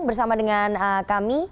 bersama dengan kami